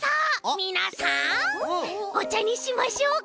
みなさんおちゃにしましょうか？